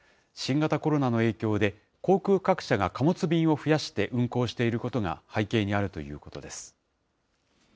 新型コロナの影響で、航空各社が貨物便を増やして運航していることが背景にあるということです。